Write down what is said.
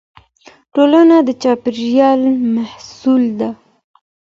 ټولنه د چاپېريال محصول ده.